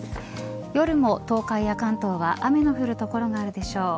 夜も東海や関東は雨の降る所があるでしょう。